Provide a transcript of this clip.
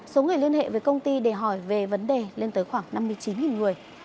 số người liên hệ với công ty để hỏi về vấn đề lên tới khoảng năm mươi chín người